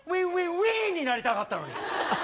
ウィーンになりたかったのに。